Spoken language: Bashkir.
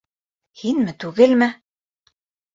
Һинме, түгелме?!